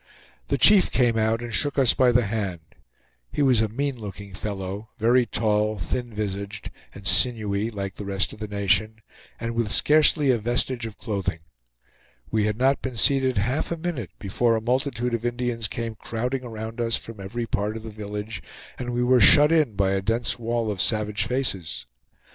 The chief came out and shook us by the hand. He was a mean looking fellow, very tall, thin visaged, and sinewy, like the rest of the nation, and with scarcely a vestige of clothing. We had not been seated half a minute before a multitude of Indians came crowding around us from every part of the village, and we were shut in by a dense wall of savage faces.